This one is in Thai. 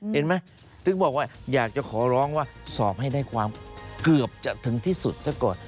เห็นไหมถึงบอกว่าอยากจะขอร้องว่าสอบให้ได้ความเกือบจะถึงที่สุดซะก่อน